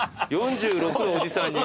４６のおじさんに。